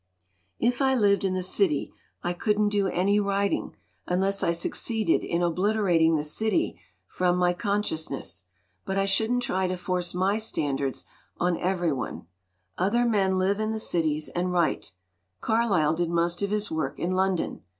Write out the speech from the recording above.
"If I lived in the city I couldn't do any writing, unless I succeeded in obliterating the city from my consciousness. But I shouldn't try to force 222 CITY LIFE rs. LITERATURE my standards on every one. Other men live in the cities and write Carlyle did most of his work in London.